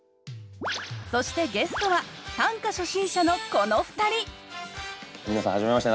そしてゲストは短歌初心者のこの２人皆さんはじめまして。